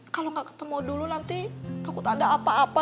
kalau gak ketemu dulu nanti takut ada apa apa